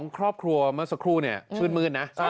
๒ครอบครัวเมื่อสักครู่ชื่นมืดนะ